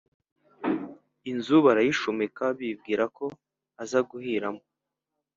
inzu barayishumika bibwira ko aza guhiramo.